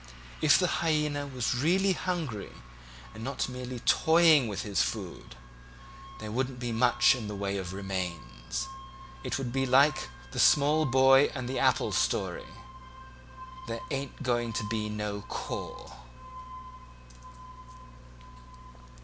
"If the hyaena was really hungry and not merely toying with his food there wouldn't be much in the way of remains. It would be like the small boy and apple story there ain't going to be no core."